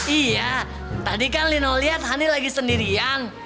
iya tadi kan linol lihat honey lagi sendirian